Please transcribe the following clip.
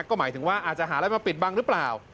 ก็หมายถึงว่าอาจจะหาอะไรมาปิดบังหรือเปล่า